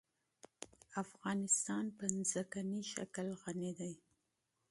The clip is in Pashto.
افغانستان په ځمکنی شکل غني دی.